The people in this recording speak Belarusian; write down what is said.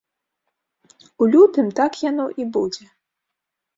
У лютым так яно і будзе.